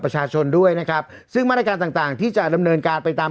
ประชาชนด้วยนะครับซึ่งมาตรการต่างต่างที่จะดำเนินการไปตาม